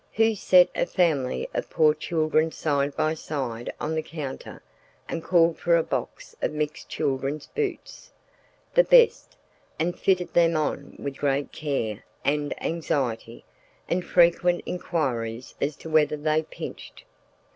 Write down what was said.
Who set a family of poor children side by side on the counter and called for a box of mixed children's boots—the best—and fitted them on with great care and anxiety and frequent inquiries as to whether they pinched.